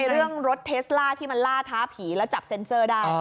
เรื่องรถเทสล่าที่มันล่าท้าผีแล้วจับเซ็นเซอร์ได้